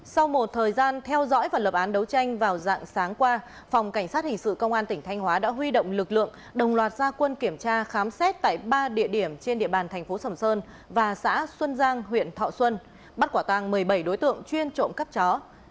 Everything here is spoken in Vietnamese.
sau một thời gian theo dõi và lập án đấu tranh vào dạng sáng qua phòng cảnh sát hình sự công an tỉnh thanh hóa đã huy động lực lượng đồng loạt gia quân kiểm tra khám xét tại ba địa điểm trên địa bàn thành phố sầm sơn và xã xuân giang huyện thọ xuân bắt quả tàng một mươi bảy đối tượng chuyên trộm cắp chó